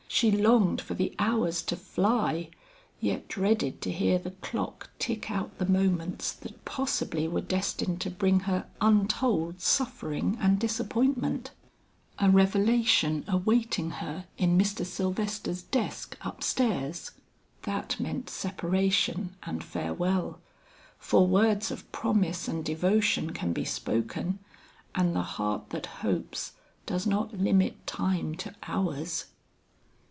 She longed for the hours to fly, yet dreaded to hear the clock tick out the moments that possibly were destined to bring her untold suffering and disappointment. A revelation awaiting her in Mr. Sylvester's desk up stairs? That meant separation and farewell; for words of promise and devotion can be spoken, and the heart that hopes, does not limit time to hours.